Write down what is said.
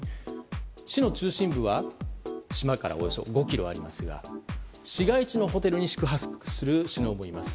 市の中心部は島からおよそ５ｋｍありますが市街地のホテルに宿泊する首脳もいます。